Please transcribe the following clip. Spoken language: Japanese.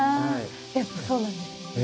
やっぱそうなんですね。